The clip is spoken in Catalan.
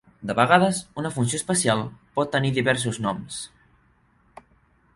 De vegades, una funció especial pot tenir diversos noms.